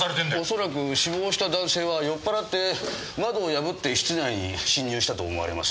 恐らく死亡した男性は酔っ払って窓を破って室内に侵入したと思われます。